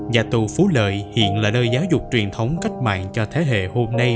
nhà tù phú lợi hiện là nơi giáo dục truyền thống cách mạng cho thế hệ hôm nay